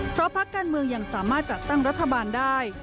เพราะพักการเมืองยังสามารถจัดตั้งรัฐบาลได้